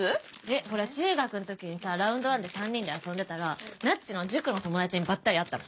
ほら中学の時にさラウンドワンで３人で遊んでたらなっちの塾の友達にバッタリ会ったの。